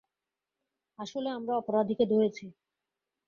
আসলে আমরা অপরাধীকে ধরেছি।